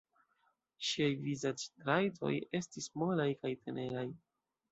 Ŝiaj vizaĝtrajtoj estis molaj kaj teneraj.